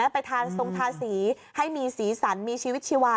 ไปทานทรงทาสีให้มีสีสันมีชีวิตชีวา